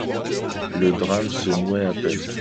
Le drame se nouait à peine.